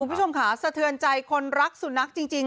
คุณผู้ชมค่ะสะเทือนใจคนรักสุนัขจริง